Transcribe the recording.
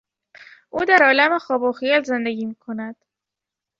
او در عالم خواب و خیال زندگی میکند.